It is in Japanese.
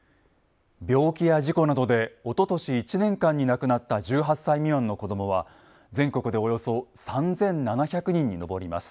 病気や事故などでおととし１年間に亡くなった１８歳未満の子どもは全国でおよそ３，７００人に上ります。